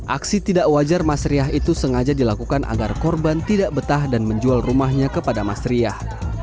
aksi tidak wajar mas riah itu sengaja dilakukan agar korban tidak betah dan menjual rumahnya kepada mas riah